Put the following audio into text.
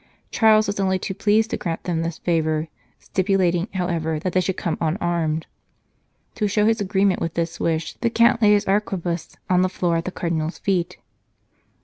Charles was only too pleased to grant them this favour, stipulating, however, that they should come unarmed. To show his agreement with this wish, the Count laid his arquebuse on the floor at the Cardinal s feet.